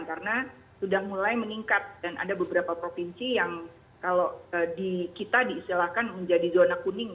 karena sudah mulai meningkat dan ada beberapa provinsi yang kalau di kita disilakan menjadi zona kuning